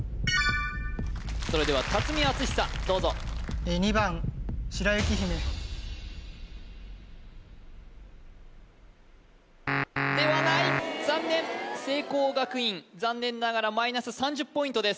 それでは巽篤久どうぞ２番白雪姫ではない残念聖光学院残念ながらマイナス３０ポイントです